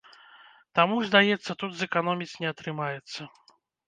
Таму, здаецца, тут зэканоміць не атрымаецца.